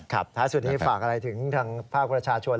ท้ายสุดนี้ฝากอะไรถึงทางภาคประชาชน